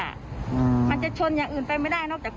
มันจะชนอย่างอื่นไปไม่ได้นอกจาก